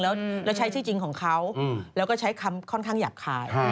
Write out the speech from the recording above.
แล้วใช้ชื่อจริงของเขาแล้วก็ใช้คำค่อนข้างหยาบคาย